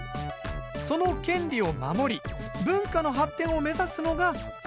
その権利を守り文化の発展を目指すのが著作権法。